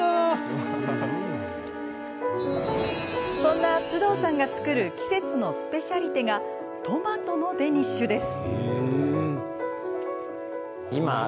そんな須藤さんが作る季節のスペシャリテがトマトのデニッシュです。